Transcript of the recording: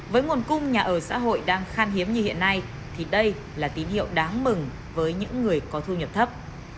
với nguồn cung nhà ở xã hội đang khan hiếm như hiện nay thì đây là tín hiệu đáng mừng với những người có thu nhập thấp